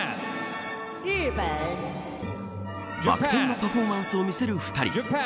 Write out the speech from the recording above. バク転のパフォーマンスを見せる２人。